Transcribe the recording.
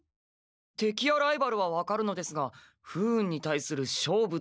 てきやライバルは分かるのですが不運に対する勝負というのは。